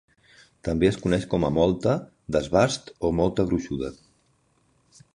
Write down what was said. També es coneix com a molta, desbast o molta gruixuda.